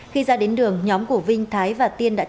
khi ra đến đường nhóm của vinh thái và tiên đại học